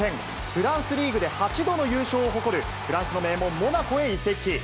フランスリーグで８度の優勝を誇る、フランスの名門、モナコへ移籍。